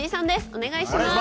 お願いします。